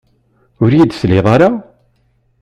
Ur yi-d-tesliḍ ara?